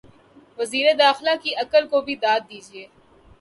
وزیر داخلہ کی عقل کو بھی داد دیجئے۔